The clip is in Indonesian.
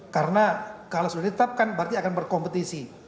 karena kalau sudah ditetapkan berarti akan berkompetisi